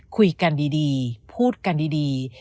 คุยกันดีพูดกันดี